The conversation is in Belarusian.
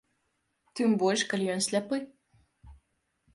Тым больш, калі ён сляпы.